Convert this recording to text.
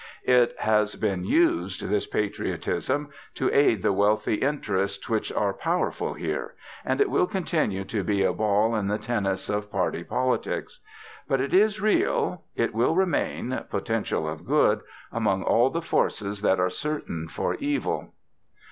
It has been used, this patriotism, to aid the wealthy interests, which are all powerful here; and it will continue to be a ball in the tennis of party politics. But it is real; it will remain, potential of good, among all the forces that are certain for evil.